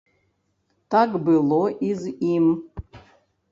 Так было і з ім.